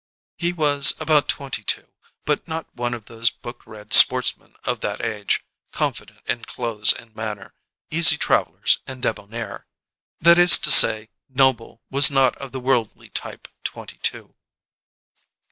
He was about twenty two, but not one of those book read sportsmen of that age, confident in clothes and manner, easy travellers and debonair; that is to say, Noble was not of the worldly type twenty two.